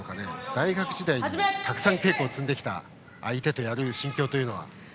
大学時代にたくさんの稽古を積んできた相手とやる心境は。